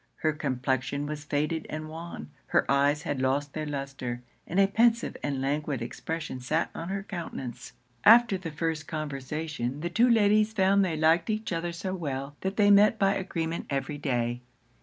Her complexion was faded and wan; her eyes had lost their lustre; and a pensive and languid expression sat on her countenance. After the first conversation, the two ladies found they liked each other so well, that they met by agreement every day.